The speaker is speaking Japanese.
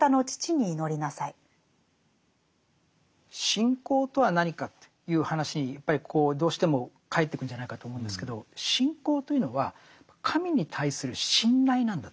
信仰とは何かという話にやっぱりどうしてもかえっていくんじゃないかと思うんですけど信仰というのは神に対する信頼なんだと思うんです。